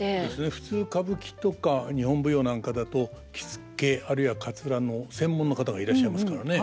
普通歌舞伎とか日本舞踊なんかだと着付けあるいはかつらの専門の方がいらっしゃいますからね。